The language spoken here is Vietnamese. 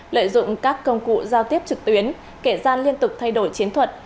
lợi dụng các công cụ giao tiếp trực tuyến kể gian liên tục thay đổi chiến thuật